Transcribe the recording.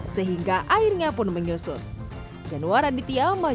sehingga airnya pun menyusut